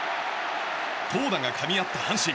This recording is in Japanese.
投打がかみ合った阪神。